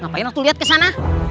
ngapain atuh liat kesana